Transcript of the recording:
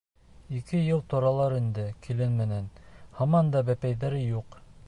Ике йыл торалар инде килен менән, һаман да бәпәйҙәре юҡ.